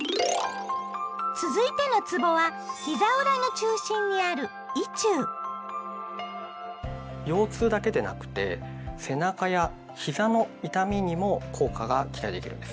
続いてのつぼはひざ裏の中心にある腰痛だけでなくて背中やひざの痛みにも効果が期待できるんです。